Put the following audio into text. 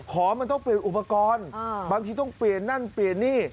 ของมันต้องเปลี่ยนอุปกรณ์บางทีต้องเปลี่ยนนั่นเปลี่ยนนี่